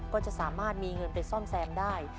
ก็จะสามารถมีเงินไปซ่อมแซมได้